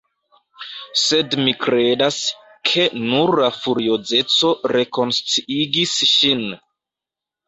Sed mi kredas, ke nur la furiozeco rekonsciigis ŝin.